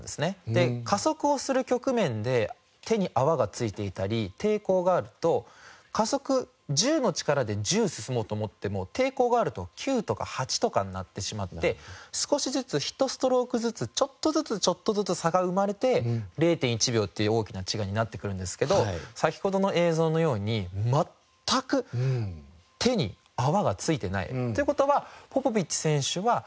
で加速をする局面で手に泡が付いていたり抵抗があると加速１０の力で１０進もうと思っても抵抗があると９とか８とかになってしまって少しずつ１ストロークずつちょっとずつちょっとずつ差が生まれて０．１秒っていう大きな違いになってくるんですけど先ほどの映像のように全く手に泡が付いてないという事はポポビッチ選手は１０の力で１０進む事ができる。